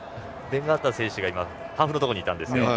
ベン・ガンター選手がハーフのところにいたんですよ。